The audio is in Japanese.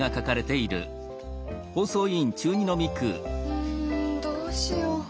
うんどうしよう。